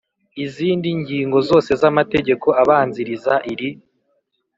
izindi ngingo zose z amategeko abanziriza iri